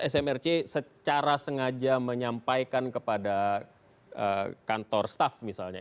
smrc secara sengaja menyampaikan kepada kantor staff misalnya